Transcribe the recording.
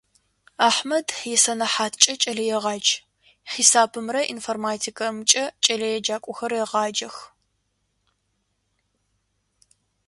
Ахьмэд исэнэхьаткӀэ кӀэлэегъадж, хьисапымрэ информатикэмрэкӀэ кӀэлэеджакӀохэр регъаджэх.